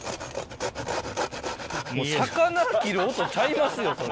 もう魚切る音、ちゃいますよ、それ。